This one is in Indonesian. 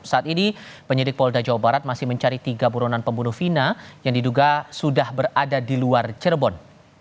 saat ini penyidik polda jawa barat masih mencari tiga buronan pembunuh vina yang diduga sudah berada di luar cirebon